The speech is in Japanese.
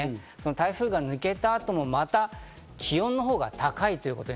台風が抜けた後もまた気温のほうが高い。